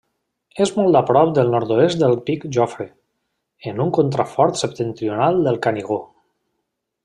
És molt a prop al nord-oest del Pic Jofre, en un contrafort septentrional del Canigó.